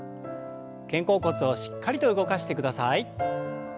肩甲骨をしっかりと動かしてください。